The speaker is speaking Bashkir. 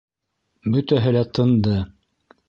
Бөтәһе лә тынды.